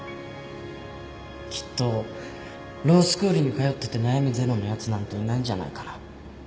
きっとロースクールに通ってて悩みゼロのやつなんていないんじゃないかな。